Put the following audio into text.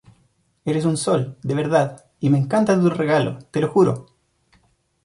eres un sol, de verdad, y me encanta tu regalo, te lo juro